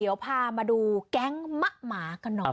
เดี๋ยวพามาดูแก๊งมะหมากันหน่อย